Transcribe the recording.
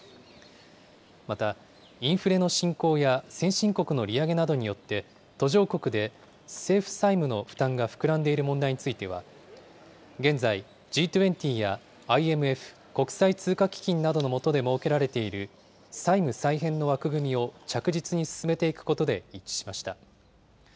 また、インフレの進行や先進国の利上げなどによって、途上国で政府債務の負担が膨らんでいる問題については、現在、Ｇ２０やＩＭＦ・国際通貨基金などの下で設けられている債務再編の枠組みを着実に進めていくことで一致しました。